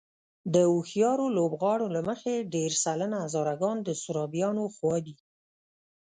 د هوښیارو لوبغاړو له مخې دېرش سلنه هزاره ګان د سرابيانو خوا دي.